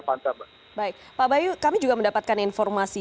baik pak bayu kami juga mendapatkan informasi